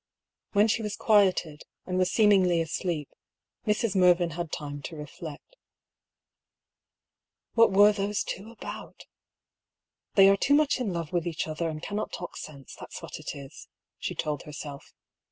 , When she was quieted, and was seemingly asleep, Mrs. Mervyn had time to reflect. What were those two about ?" They are too much in love with each other and cannot talk sense, that's what it is," she told herself.